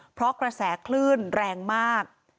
เพราะกระแสคลื่นแรงมาก